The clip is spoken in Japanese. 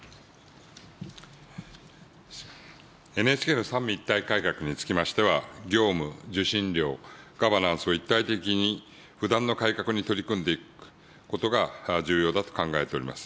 ＮＨＫの三位一体改革につきましては、業務、受信料、ガバナンスを一体的に不断の改革に取り組んでいくことが重要だと考えております。